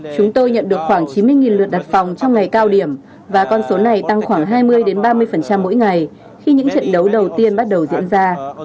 chúng tôi nhận được khoảng chín mươi lượt đặt phòng trong ngày cao điểm và con số này tăng khoảng hai mươi ba mươi mỗi ngày khi những trận đấu đầu tiên bắt đầu diễn ra